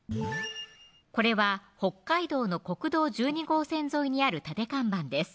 これは北海道の国道１２号線沿いにある立て看板です